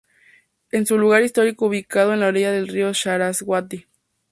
Es un lugar histórico ubicado en la orilla del río Saraswati.